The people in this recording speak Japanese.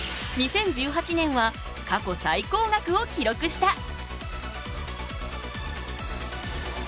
２０１８年は過去最高額を記録した。